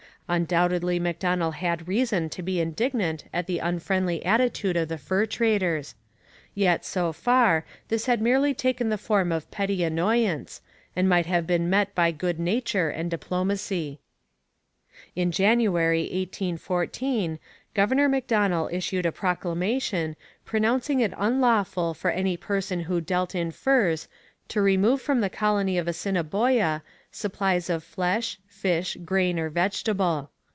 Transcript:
Undoubtedly Macdonell had reason to be indignant at the unfriendly attitude of the fur traders; yet, so far, this had merely taken the form of petty annoyance, and might have been met by good nature and diplomacy. [Illustration: Plan of Red River Colony] In January 1814 Governor Macdonell issued a proclamation pronouncing it unlawful for any person who dealt in furs to remove from the colony of Assiniboia supplies of flesh, fish, grain, or vegetable.